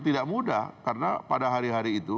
tidak mudah karena pada hari hari itu